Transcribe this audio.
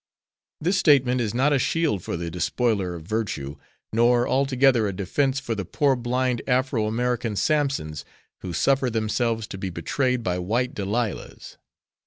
This statement is not a shield for the despoiler of virtue, nor altogether a defense for the poor blind Afro American Sampsons who suffer themselves to be betrayed by white Delilahs.